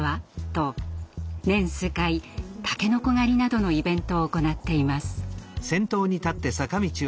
と年数回たけのこ狩りなどのイベントを行っています。